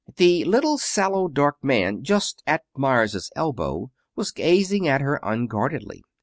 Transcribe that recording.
The little sallow, dark man just at Meyers' elbow was gazing at her unguardedly.